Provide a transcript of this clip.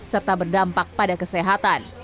serta berdampak pada kesehatan